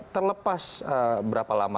terlepas berapa lama